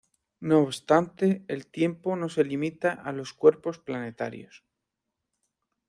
No obstante, el tiempo no se limita a los cuerpos planetarios.